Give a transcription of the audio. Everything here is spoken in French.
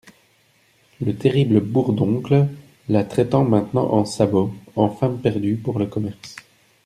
Le terrible Bourdoncle la traitait maintenant en sabot, en femme perdue pour le commerce.